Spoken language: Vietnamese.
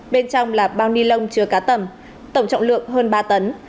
bên trong là bao ni lông chừa cá tẩm tổng trọng lượng hơn ba tấn